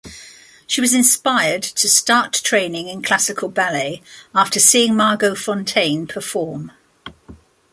She was inspired to start training in classical ballet after seeing Margot Fonteyn perform.